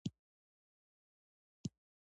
او چې هر څه به پېښېدل هغه به یې لیکل.